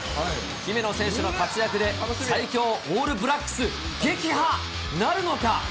姫野選手の活躍で、最強オールブラックス撃破なるのか？